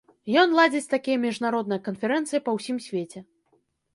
Ён ладзіць такія міжнародныя канферэнцыі па ўсім свеце.